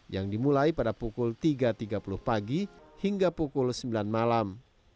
yang dimulai pada pukul tiga tiga puluh pagi hingga pukul sembilan malam